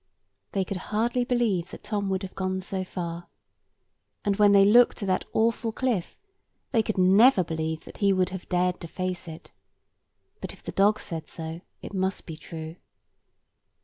They could hardly believe that Tom would have gone so far; and when they looked at that awful cliff, they could never believe that he would have dared to face it. But if the dog said so, it must be true.